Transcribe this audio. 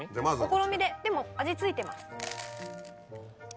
お好みででも味付いてます。